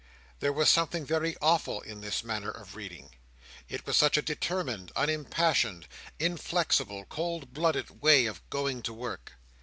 There was something very awful in this manner of reading. It was such a determined, unimpassioned, inflexible, cold blooded way of going to work.